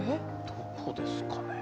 どこですかね。